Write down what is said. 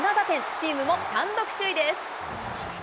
チームも単独首位です。